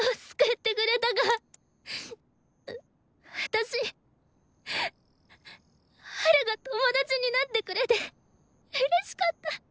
私ハルが友達になってくれてうれしかった。